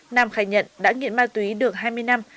nam khai nhận đã nghiện ma túy được hai mươi năm